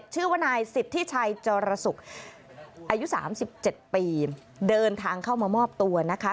ชื่อว่านายสิทธิชัยจรสุกอายุ๓๗ปีเดินทางเข้ามามอบตัวนะคะ